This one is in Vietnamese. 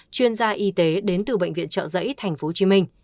chuyên gia y tế đến từ bệnh viện trợ dẫy tp hcm